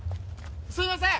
すいません！